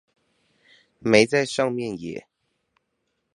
沒在上面耶